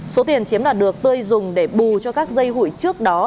số tiền chiếm đoạt được tươi dùng để bù cho các dây hủy trước đó